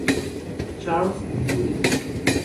Charles, Misuri.